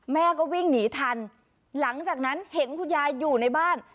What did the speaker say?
แม่ก็วิ่งหนีทันหลังจากนั้นเห็นคุณยายอยู่ในบ้าน